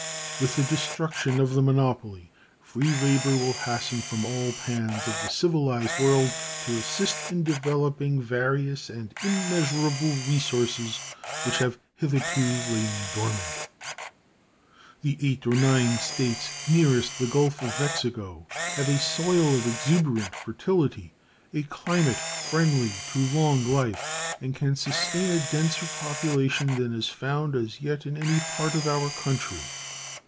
With the destruction of the monopoly free labor will hasten from all pans of the civilized world to assist in developing various and immeasurable resources which have hitherto lain dormant. The eight or nine States nearest the Gulf of Mexico have a soil of exuberant fertility, a climate friendly to long life, and can sustain a denser population than is found as yet in any part of our country.